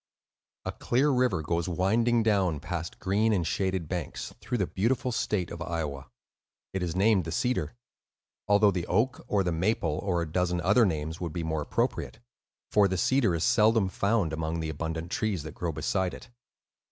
A clear river goes winding down, past green and shaded banks, through the beautiful state of Iowa. It is named the Cedar, although the Oak, or the Maple, or a dozen other names would be more appropriate, for the Cedar is seldom found among the abundant trees that grow beside it.